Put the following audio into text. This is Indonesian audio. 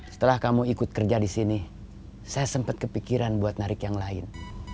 setelah kamu ikut kerja di sini saya sempat kepikiran buat narik yang lain